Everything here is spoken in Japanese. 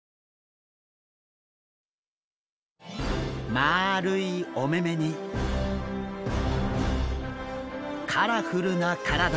まあるいお目々にカラフルな体。